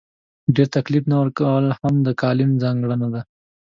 ډېر تکلف نه کول هم د کالم ځانګړنه ده.